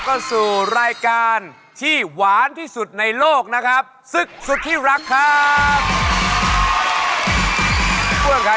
กราบสวัสดีคุณผู้ชมทางบ้านทุกครั้งนะครับ